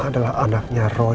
adalah anaknya roy